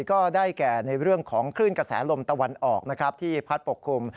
ก็ได้แก่ในเรื่องของคลื่นกระแสลมตะวันออกนะครับที่พัดปกคลุม